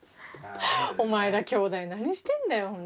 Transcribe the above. お前ら兄弟何してんだよ